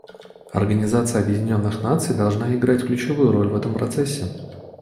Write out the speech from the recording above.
Организация Объединенных Наций должна играть ключевую роль в этом процессе.